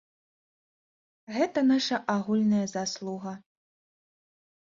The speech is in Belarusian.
Гэта наша агульная заслуга.